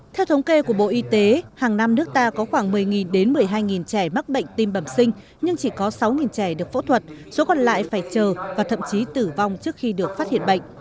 theo thống kê của bộ y tế hàng năm nước ta có khoảng một mươi đến một mươi hai trẻ mắc bệnh tim bẩm sinh nhưng chỉ có sáu trẻ được phẫu thuật số còn lại phải chờ và thậm chí tử vong trước khi được phát hiện bệnh